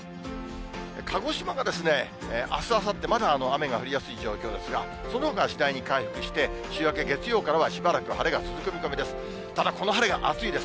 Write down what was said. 鹿児島があす、あさって、まだ雨が降りやすい状況ですが、そのほかは次第に回復して、週明け月曜からはしばらく晴れが続く見込みです。